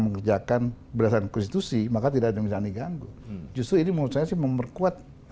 mengerjakan berdasarkan konstitusi maka tidak bisa diganggu justru ini mau saya sih memperkuat